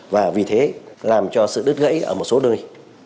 và vì thế làm cho sự đứt gãy ở một số nơi